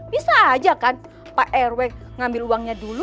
bisa aja kan pak rw ngambil uangnya dulu